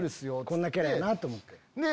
こんなキャラやな！と思って。